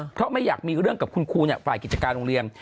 เพราะไม่อยากมีเรื่องกับคุณครูฝ่ายกิจการโรงเรียน